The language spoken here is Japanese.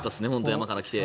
山から来て。